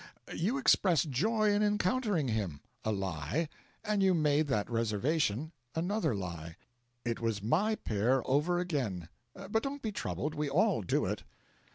You expressed joy in encountering him a lie; and you made that reservation another lie. It was my pair over again. But don't be troubled we all do it.'